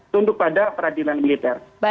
tunduk pada peradilan militer